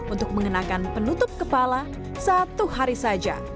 untuk mengenakan penutup kepala satu hari saja